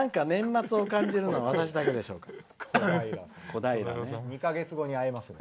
なんか年末を感じるのは私だけでしょうか」。